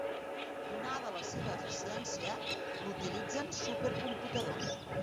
Donada la seva eficiència, l'utilitzen supercomputadors.